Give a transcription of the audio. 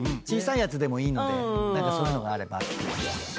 小さいやつでもいいので何かそういうのがあれば。